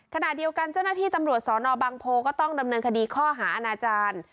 ขณะเดียวกันเจ้าหน้าที่ตำรวจสนบางโพก็ต้องดำเนินคดีข้อหาอาณาจารย์